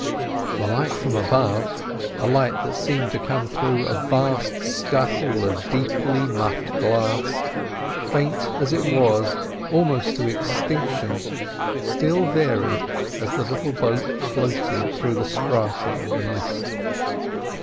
The light from above, a light that seemed to come through a vast scuttle of deeply muffed glass, faint though it was, almost to extinction, still varied as the little boat floated through the strata of the mist.